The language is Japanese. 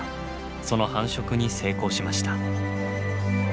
その繁殖に成功しました。